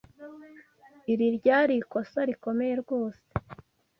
Iri ryari ikosa rikomeye rwose.